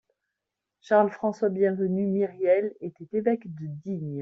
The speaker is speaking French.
Charles-François-Bienvenu Myriel était évêque de Digne.